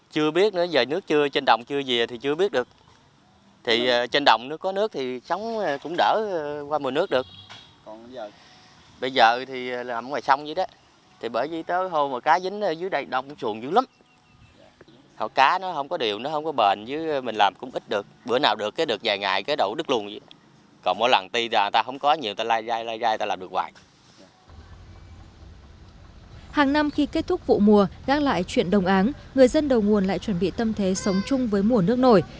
hàng năm khi kết thúc vụ mùa gác lại chuyện đồng áng người dân đầu nguồn lại chuẩn bị tâm thế sống chung với mùa nước nổi